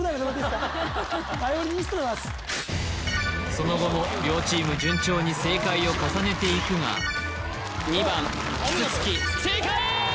その後も両チーム順調に正解を重ねていくが２番正解ー！